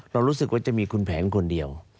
รู้สึกว่าจะมีคุณแผนคนเดียว